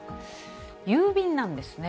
郵便なんですね。